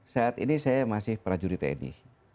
saat ini saya masih prajurit tni